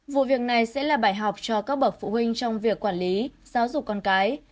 vụ việc này sẽ là bài học cho các bậc phụ huynh trong việc quản lý giáo dục con cái